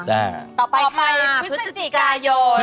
ต่อไปใครอ่ะพฤศจิกายน